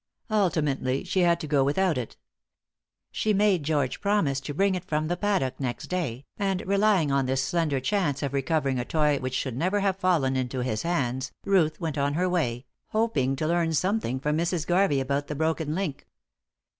Ultimately she had to go without it. She made George promise to bring it from the paddock next day, and relying on this slender chance of recovering a toy which should never have fallen into his hands, Ruth went her way, hoping to learn something from Mrs. Garvey about the broken link.